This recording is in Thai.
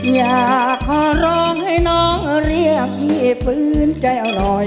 อยากขอร้องให้น้องเรียกพี่ฟื้นใจอร่อย